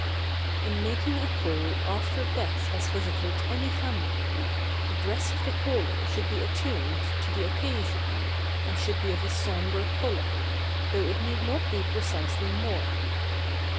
In making a call after death has visited any family, the dress of the caller should be attuned to the occasion, and should be of a sombre order, though it need not be precisely mourning.